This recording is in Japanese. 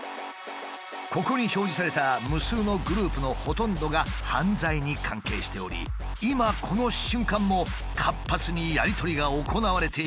ここに表示された無数のグループのほとんどが犯罪に関係しており今この瞬間も活発にやり取りが行われているという。